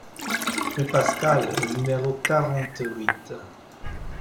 Rue Pascal au numéro quarante-huit